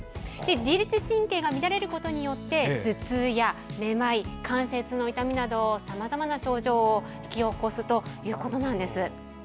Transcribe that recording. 自律神経が乱れることで頭痛やめまい、関節の痛みなどさまざまな症状を引き起こすということなんです。